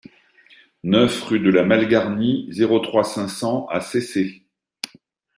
neuf rue de la Malgarnie, zéro trois, cinq cents à Cesset